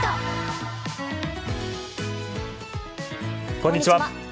こんにちは。